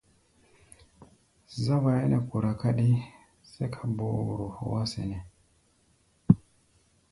Záwaya nɛ́ kora káɗí sɛ́ká bóóro hɔá sɛnɛ́.